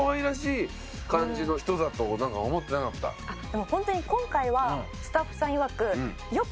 でもホントに今回はスタッフさんいわく。